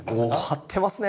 張ってますね。